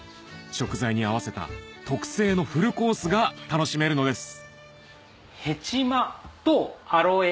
食材に合わせた特製のフルコースが楽しめるのです